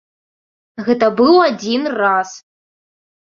Гэта быў адзін раз!